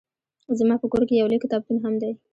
زما په کور کې يو لوی کتابتون هم دی